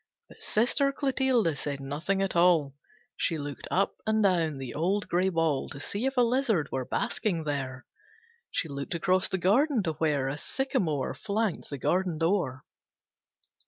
But Sister Clotilde said nothing at all, She looked up and down the old grey wall To see if a lizard were basking there. She looked across the garden to where A sycamore Flanked the garden door.